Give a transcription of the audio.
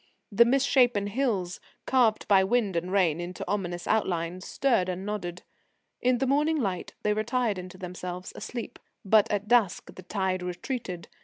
The misshappen hills, carved by wind and rain into ominous outlines, stirred and nodded. In the morning light they retired into themselves, asleep. But at dusk the tide retreated.